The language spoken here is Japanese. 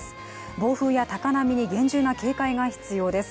暴風や高波に厳重な警戒が必要です。